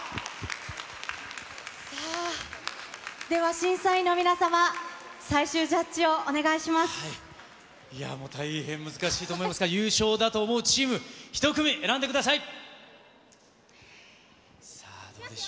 さあ、では審査員の皆様、いやぁ、もう大変難しいと思いますが、優勝だと思うチーム、１組、選んでください。